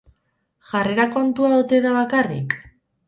Jarrera kontua ote da bakarrik?